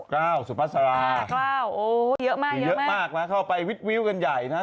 เก้าสุพัสราเยอะมากเยอะมากนะเข้าไปวิทวิวกันใหญ่นะฮะ